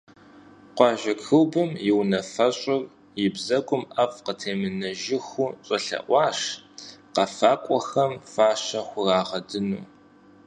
Къуажэ клубым и унафэщӀыр и бзэгум ӀэфӀ къытемынэжыху щӀэлъэӀуащ къэфакӀуэхэм фащэ хурагъэдыну.